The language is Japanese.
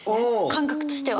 感覚としては。